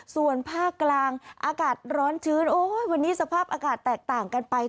ส่วนภาคกลางอากาศร้อนชื้นโอ้ยวันนี้สภาพอากาศแตกต่างกันไป